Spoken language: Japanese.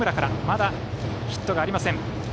まだヒットがありません。